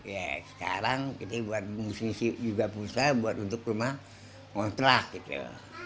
ya sekarang kita buat ngisi juga pulsa buat untuk rumah ngontrak gitu